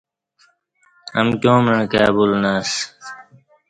امکیاں مع کائی بولہ نہ اسی